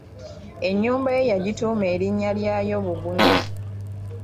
Ennyumba ye yagituuma erinnya lyayo Bugunya.